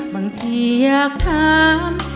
บางทีอยากถาม